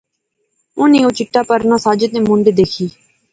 انی او چٹا پرنا ساجد نے مونڈھے دیکھی